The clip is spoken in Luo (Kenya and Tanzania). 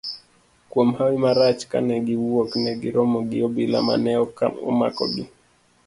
Kuom hawi marach, kane giwuok, negi romo gi obila mane omakogi.